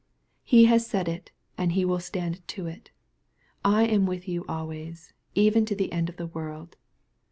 He has said it, and He will stand to it, " I am with you always, even to the end of the world."